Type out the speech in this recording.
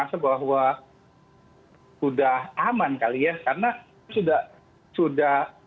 merasa bahwa sudah aman kali ya karena itu sudah